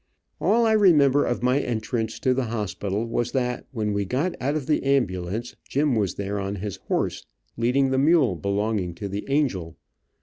All I remember of my entrance to the hospital was that when we got out of the ambulance Jim was there on his horse, leading the mule belonging to the angel.